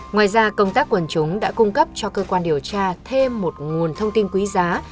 ngoài ra công tác quần chúng đã cung cấp cho cơ quan điều tra thêm một nguồn thông tin quý giá